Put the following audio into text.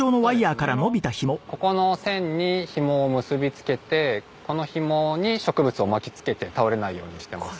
ここの線にヒモを結びつけてこのヒモに植物を巻き付けて倒れないようにしてます。